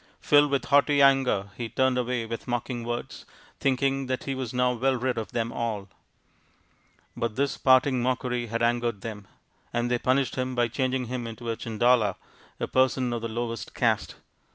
Filled with haughty anger he turned away with mocking words, thinking that he was now well rid of them all. But his parting mockery had angered them, and they punished him by changing him into a Chandala, a person of the lowest caste.